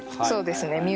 そうですね